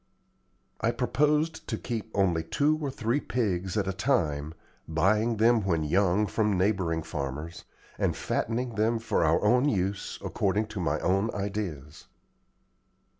I proposed to keep only two or three pigs at a time, buying them when young from neighboring farmers, and fattening them for our own use according to my own ideas.